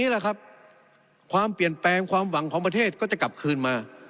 ไม่ได้กลับคืนมา